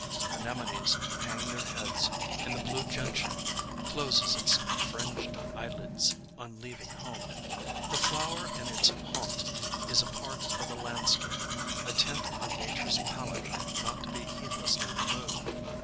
Anemones hang their heads and the Blue Gentian closes its "fringed eye lids " on leaving home. The flower in its haunt is a part of the landscape, a tint on nature's palette not to be heedlessly removed.